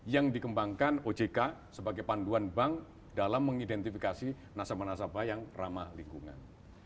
yang dikembangkan ojk sebagai panduan bank dalam mengidentifikasi nasabah nasabah yang ramah lingkungan